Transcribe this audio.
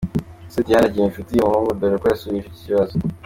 Ese Diane agira inshuti y’umuhungu, dore uko yasubije iki kibazo.